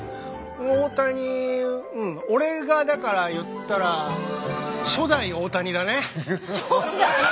大谷うん俺がだから言ったら初代大谷。